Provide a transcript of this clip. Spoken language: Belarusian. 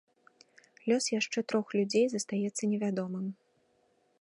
Лёс яшчэ трох людзей застаецца невядомым.